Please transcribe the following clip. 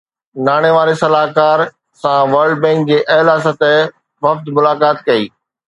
ناڻي واري صلاحڪار سان ورلڊ بينڪ جي اعليٰ سطحي وفد ملاقات ڪئي